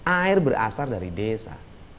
air berasal dari desa